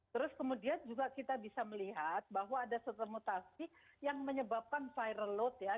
terus kemudian juga kita bisa melihat bahwa ada satu mutasi yang menyebabkan viral load ya